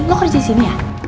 lo kerja disini ya